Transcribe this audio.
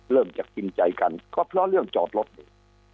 เริ่มจากกินใจกันก็เพราะเรื่องจอดรถนี่